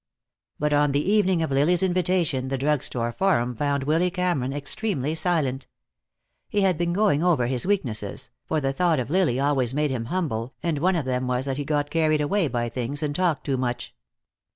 But on the evening of Lily's invitation the drug store forum found Willy Cameron extremely silent. He had been going over his weaknesses, for the thought of Lily always made him humble, and one of them was that he got carried away by things and talked too much.